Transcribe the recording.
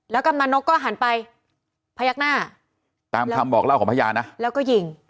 กำนันนกก็หันไปพยักหน้าตามคำบอกเล่าของพยานนะแล้วก็ยิง